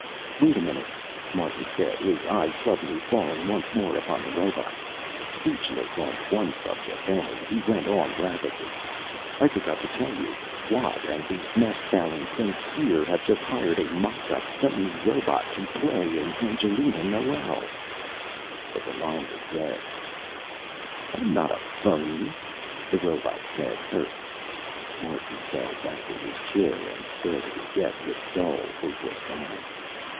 "Wait a minute," Martin said, his eyes suddenly falling once more upon the robot. Speechless on one subject only, he went on rapidly, "I forgot to tell you. Watt and the nest fouling St. Cyr have just hired a mock up phony robot to play in Angelina Noel!" But the line was dead. "I'm not a phony," the robot said, hurt. Martin fell back in his chair and stared at his guest with dull, hopeless eyes.